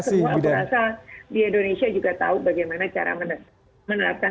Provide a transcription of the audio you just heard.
tahu bagaimana cara menerapkan